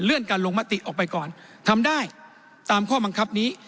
การลงมติออกไปก่อนทำได้ตามข้อบังคับนี้